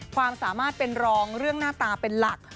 ความสามารถเป็นรองเรื่องหน้าตาเป็นหลัก